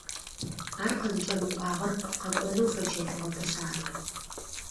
Ар къызыкӏэмыкӏуагъэр къэкӏонэу фэчэфыгъэпышъ ары.